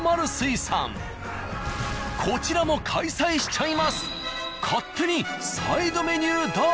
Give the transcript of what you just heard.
こちらも開催しちゃいます。